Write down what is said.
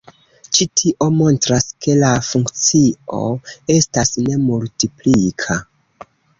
Ĉi tio montras ke la funkcio estas ne multiplika.